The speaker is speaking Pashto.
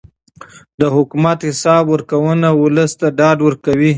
د حکومت حساب ورکونه ولس ته ډاډ ورکوي